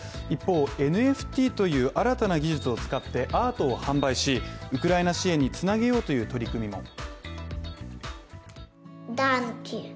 一方、ＮＦＴという新たな技術を使ってアートを販売し、ウクライナ支援につなげようという取り組みも。